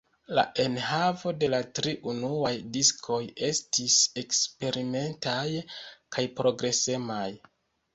La enhavo de la tri unuaj diskoj estis eksperimentaj kaj progresemaj.